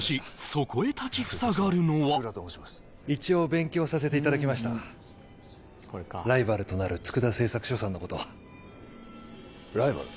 しかし一応勉強させていただきましたライバルとなる佃製作所さんのことライバル？